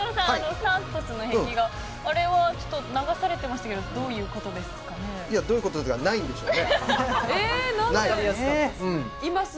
サントスの壁画、あれは流されていましたけどどういうことですかね。